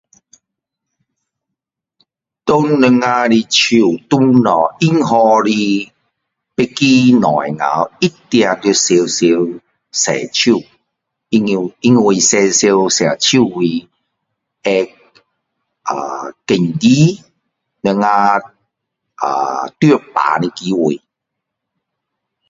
当我们的手碰到别的东西的时候一定要常常洗手因为常常洗手会呃减少我们呃中病的机会